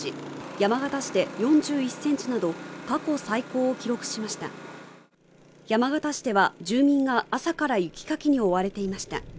山形市で４１ｃｍなど過去最高を記録しました山形市では住民が朝から雪かきに追われていました